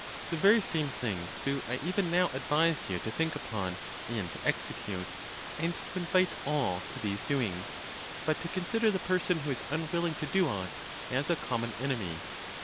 The very same things do I even now advise you to think upon and to execute, and to invite all to these doings ; but to consider the person, who is unwilling to do aught, as a common enemy.